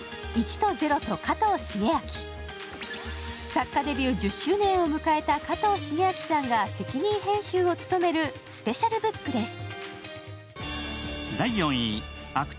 作家デビュー１０周年を迎えた加藤シゲアキさんが責任編集を務めるスペシャルブックです。